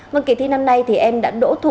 vâng kỳ thi năm nay thì em đã đỗ thủ